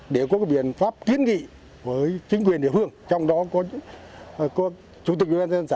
để có biện pháp kiến nghị với chính quyền địa phương